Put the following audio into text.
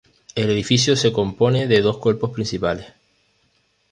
El edificio se compone de dos cuerpos principales.